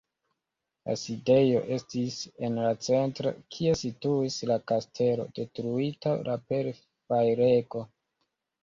La sidejo estis en la centro, kie situis la kastelo, detruita la per fajrego.